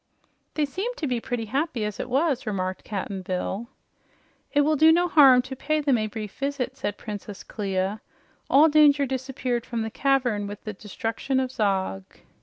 "They seemed to be pretty happy as it was," remarked Cap'n Bill. "It will do no harm to pay them a brief visit," said Princess Clia. "All danger disappeared from the cavern with the destruction of Zog."